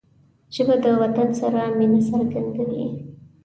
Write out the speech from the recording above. ژبه د وطن سره مینه څرګندوي